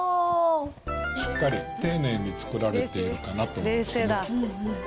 しっかり丁寧に作られているかなと思いますね。